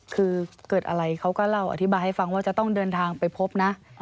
คือเกิดอะไรเขาก็เล่าอธิบายให้ฟังว่าจะต้องเดินทางไปพบนะ